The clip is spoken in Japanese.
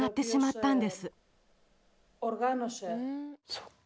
そっか。